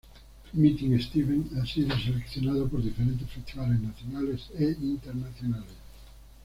Meeting Steven ha sido seleccionado por diferentes Festivales nacionales e internacionales.